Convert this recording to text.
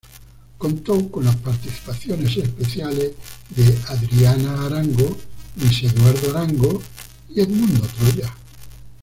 Contó con las participaciones especiales de Adriana Arango, Luis Eduardo Arango y Edmundo Troya.